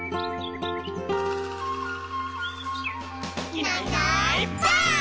「いないいないばあっ！」